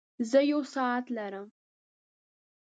زۀ يو ساعت لرم.